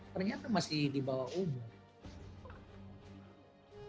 ternyata masih di bawah umur